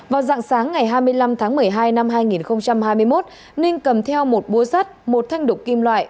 vào dạng sáng ngày hai mươi năm tháng một mươi hai năm hai nghìn hai mươi một ninh cầm theo một búa sắt một thanh đục kim loại